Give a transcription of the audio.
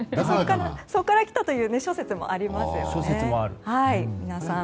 そこから来たという諸説もありますね。